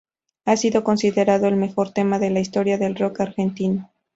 Ha sido considerado el mejor tema de la historia del rock argentino.